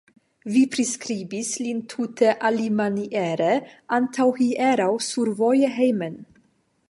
Vi priskribis lin tute alimaniere antaŭhieraŭ survoje hejmen.